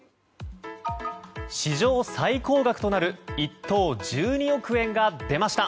史上最高額となる１等１２億円が出ました。